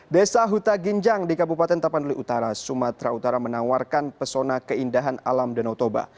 desa huta ginjang di kabupaten tapanuli utara sumatera utara menawarkan pesona keindahan alam danau toba